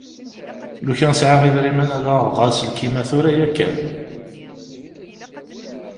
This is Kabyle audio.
Lukan sεiɣ idrimen ad aɣeɣ aselkim-a tura yakan.